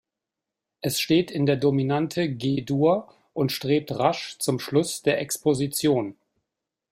Es steht in der Dominante G-Dur und strebt rasch zum Schluss der Exposition.